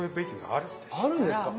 あるんですか？